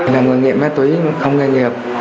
là người nghiện ma túy không nghe nghiệp